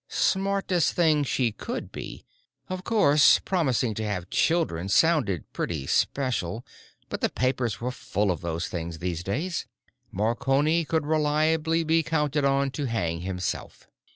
Smartest thing she could be. Of course, promising to have children sounded pretty special; but the papers were full of those things every day. Marconi could reliably be counted on to hang himself.